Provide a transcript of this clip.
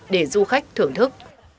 để du khách thưởng thức